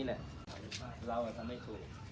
สวัสดีครับทุกคน